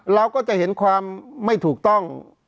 เราก็จะเห็นความไม่ถูกต้อง